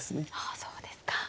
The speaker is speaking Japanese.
あそうですか。